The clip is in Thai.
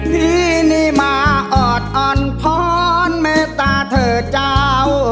ที่นี่มาออดอ่อนพรเมตตาเถอะเจ้า